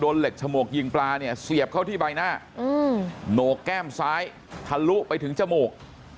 เหล็กฉมวกยิงปลาเนี่ยเสียบเข้าที่ใบหน้าโหนกแก้มซ้ายทะลุไปถึงจมูก